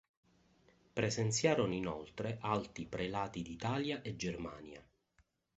Presenziarono inoltre alti prelati d'Italia e Germania.